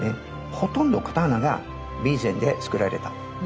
ほとんど刀は備前で作られたね。